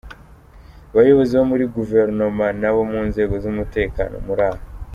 Bayobozi bo muri Guverinoma n’ abo mu nzego z’umutekano muri aha,.